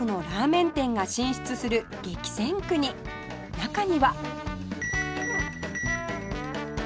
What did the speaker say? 中には